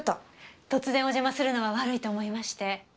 突然お邪魔するのは悪いと思いまして。